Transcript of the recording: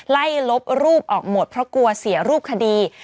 ลบรูปออกหมดเพราะกลัวเสียรูปคดี